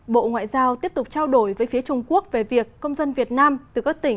bộ ngoại giao tiếp tục trao đổi với phía trung quốc về việc công dân việt nam từ các tỉnh